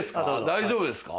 大丈夫ですか？